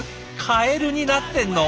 カエルになってんの！